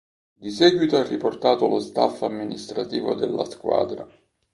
Di seguito è riportato lo staff amministrativo della squadra.